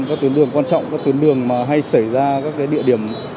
các tuyến đường quan trọng các tuyến đường mà hay xảy ra các địa điểm